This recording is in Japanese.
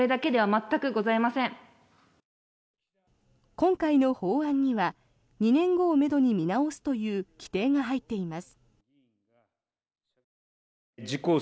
今回の法案には２年後をめどに見直すという規定が入っています。